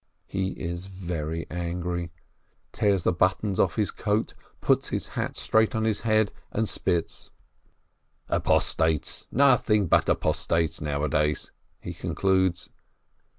He is very angry, tears the buttons off his coat, puts his hat straight on his head, and ^ spits. "Apostates, nothing but apostates nowadays," he concludes.